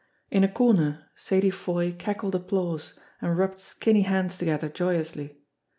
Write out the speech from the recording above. In a corner Sadie Foy cackled applause, and rubbed skinny hands together joyously.